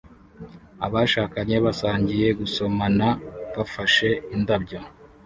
Abashakanye basangiye gusomana bafashe indabyo